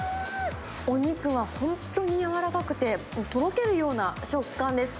お肉は本当にやわらかくて、とろけるような食感です。